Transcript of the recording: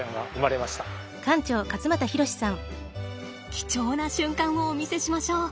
貴重な瞬間をお見せしましょう。